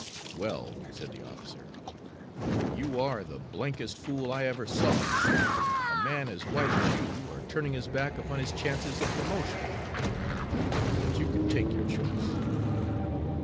"Well," said the officer, "you are the d d'st fool I ever saw a man as white as you are turning his back upon his chances of promotion! But you can take your choice."